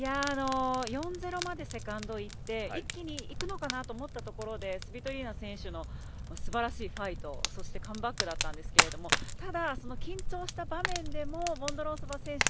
４−０までセカンドいって一気にいくのかなと思ったところでスビトリーナ選手のすばらしいファイト、そしてカムバックだったんですけどただ、その緊張した場面でもボンドロウソバ選手